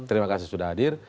terima kasih sudah hadir